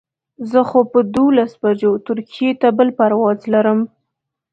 زه خو په دولس بجو ترکیې ته بل پرواز لرم.